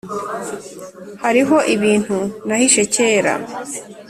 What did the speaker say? Hariho ibintu nahishe kera